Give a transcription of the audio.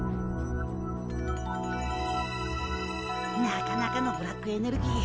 なかなかのブラックエネルギー。